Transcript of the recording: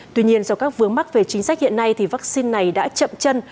tuy nhiên do các vướng mắt về chính sách hiện nay vaccine này đã chậm chân